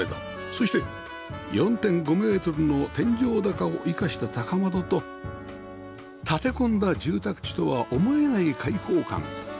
そして ４．５ メートルの天井高を生かした高窓と立て込んだ住宅地とは思えない開放感